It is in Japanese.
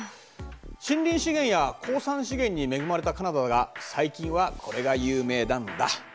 森林資源や鉱産資源に恵まれたカナダだが最近はこれが有名なんだ。